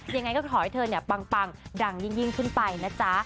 ยังไงก็ขอให้เธอเนี่ยปังดังยิ่งขึ้นไปนะจ๊ะ